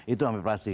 itu hampir pasti